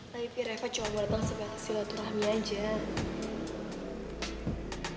tapi pi rafa cuma mau datang sebagai hasil aturahmi aja